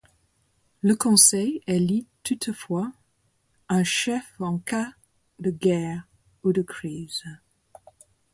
Le conseil élit toutefois un chef en cas de guerre ou de crise.